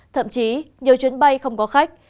thậm chí nhiều chuyến bay không có khách